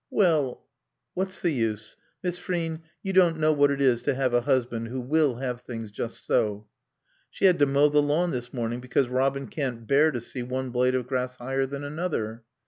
Well " "What's the use?... Miss Frean, you don't know what it is to have a husband who will have things just so." "She had to mow the lawn this morning because Robin can't bear to see one blade of grass higher than another."